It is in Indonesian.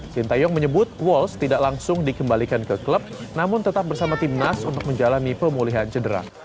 sintayong menyebut walls tidak langsung dikembalikan ke klub namun tetap bersama timnas untuk menjalani pemulihan cedera